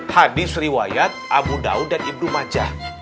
hadis riwayat abu daud dan ibn majah